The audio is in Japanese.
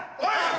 はい！